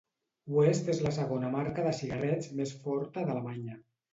West és la segona marca de cigarrets més forta d'Alemanya.